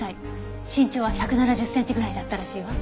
身長は１７０センチぐらいだったらしいわ。